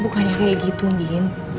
bukannya kayak gitu ngin